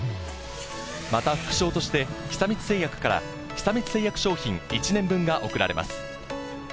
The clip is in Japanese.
また副賞として、久光製薬から久光製薬商品１年分が贈られます。